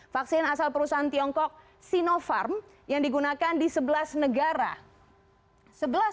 vaksin asal perusahaan tiongkok sinopharm yang digunakan di sebelas negara